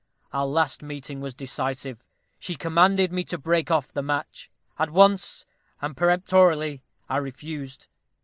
our last meeting was decisive. She commanded me to break off the match. At once, and peremptorily, I refused.